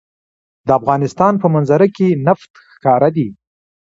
د افغانستان په منظره کې نفت ښکاره دي.